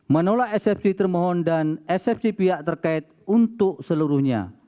menolak eksepsi termohon dan eksepsi pihak terkait untuk seluruhnya